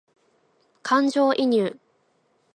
感情移入